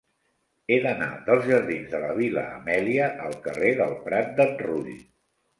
He d'anar dels jardins de la Vil·la Amèlia al carrer del Prat d'en Rull.